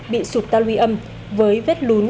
bị sụp ta lùi âm với vết lún